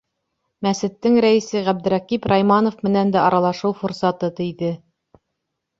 Мәсеттең рәйесе Ғәбдрәҡип Райманов менән дә аралашыу форсаты тейҙе.